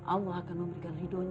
allah akan memberikan hidupnya